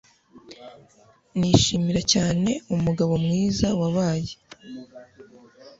nishimiye cyane umugabo mwiza wabaye